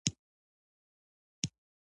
د زیات کار لپاره ورته تل کاري موخه ټاکي.